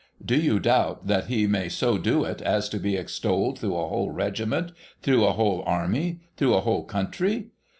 Do you doubt that he may so do it as to be extolled through a whole regiment, through a whole army, through a whole country